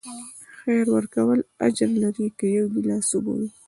خیر ورکول اجر لري، که یو ګیلاس اوبه وي.